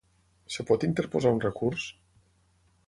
Es pot interposar un recurs?